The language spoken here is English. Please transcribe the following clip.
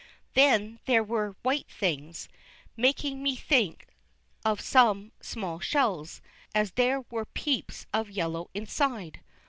Then there were white things, making me think of some small shells, as there were peeps of yellow inside.